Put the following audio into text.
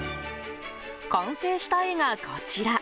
完成した絵が、こちら。